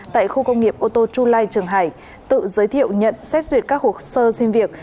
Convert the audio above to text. tại khu công nghiệp ô tô chu lai trường hải tự giới thiệu nhận xét duyệt các hồ sơ xin việc